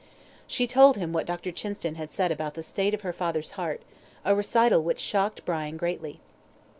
She told him what Dr. Chinston had said about the state of her father's heart, a recital which shocked Brian greatly.